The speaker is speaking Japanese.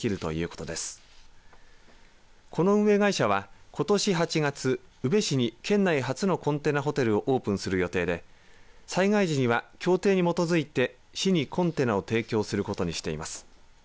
この運営会社は、ことし８月宇部市に県内初のコンテナホテルをオープンする予定で災害時には協定に基づいて市にコンテナを提供することにしています。